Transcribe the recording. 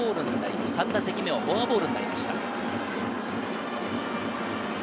村上の３打席目はフォアボールになりました。